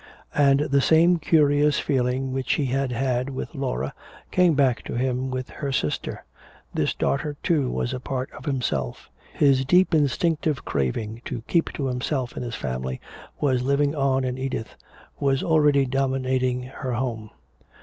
And the same curious feeling which he had had with Laura, came back to him with her sister. This daughter, too, was a part of himself. His deep instinctive craving to keep to himself and his family was living on in Edith, was already dominating her home.